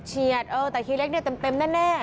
เฉียดเฉียดแต่เฮเล็กนี่เต็มแน่